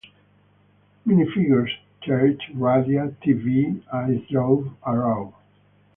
Minifigures: Charge, Radia, Tee-Vee, Ice Drone, Arrow.